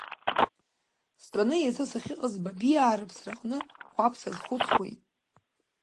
Стәаны, иацы сахьыҟаз Бабиаа рыԥсраҟны, Хәаԥ сазхәыцуеит.